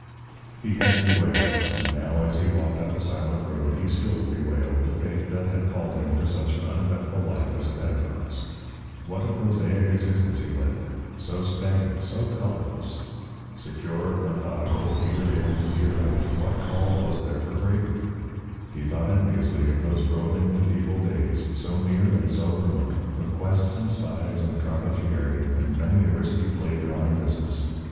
He had bewailed, and now as he walked up the silent road he still bewailed, the fate that had called him to such an uneventful life as a pedagogue's. What a prosaic existence he led, so stagnant, so colourless! Secure, methodical, year in year out, what call was there for bravery? He thought enviously of those roving, mediaeval days, so near and so remote, of quests and spies and condottieri and many a risky blade drawing business.